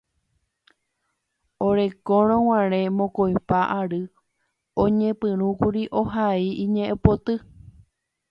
Orekórõguare mokõipa ary oñepyrũkuri ohai iñe'ẽpoty